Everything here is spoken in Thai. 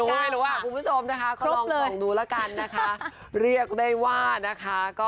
ไม่รู้ไม่รู้ว่าครับครุกผู้ชมนะคะ